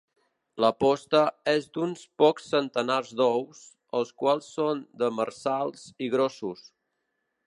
La posta és d'uns pocs centenars d'ous, els quals són demersals i grossos.